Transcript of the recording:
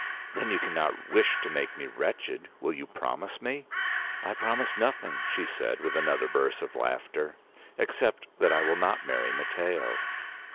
"Then you cannot wish to make me wretched! Will you promise me?" "I promise nothing," said she, with another burst of laughter; "except that I will not marry Matteo!"